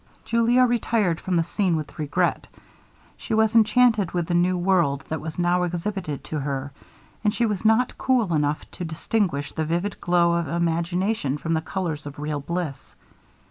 Julia retired from the scene with regret. She was enchanted with the new world that was now exhibited to her, and she was not cool enough to distinguish the vivid glow of imagination from the colours of real bliss.